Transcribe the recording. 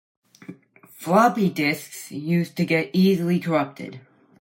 Floppy disks used to get easily corrupted.